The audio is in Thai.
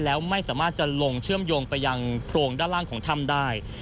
แล้วไม่สามารถจะลงเชื่อมโยงไปยังโพรงด้านล่างของถ้ำได้